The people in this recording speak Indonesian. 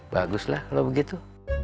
bagus lah kalau begitu